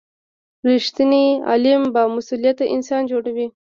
رښتینی علم بامسؤلیته انسان جوړوي.